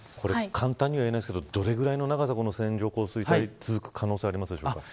簡単には言えないですけれどどれぐらいの長さ線状降水帯は続く可能性がありますか。